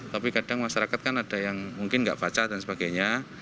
tapi kadang masyarakat kan ada yang mungkin nggak baca dan sebagainya